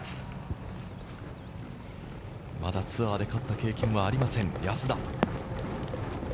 まだツアーで勝った経験はありません、安田。